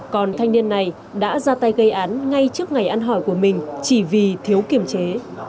còn thanh niên này đã ra tay gây án ngay trước ngày ăn hỏi của mình chỉ vì thiếu kiềm chế